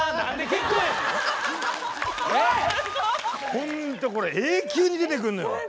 ホントこれ永久に出てくんのよ。